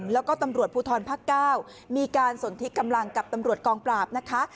แล้วก็ตำรวจภูทรภาค๙มีการสนทิกำลังกับตำรวจกองปราบนะคะ